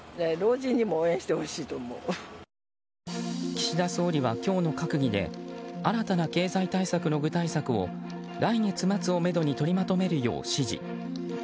岸田総理は今日の閣議で新たな経済対策の具体策を来月末をめどに取りまとめるよう指示。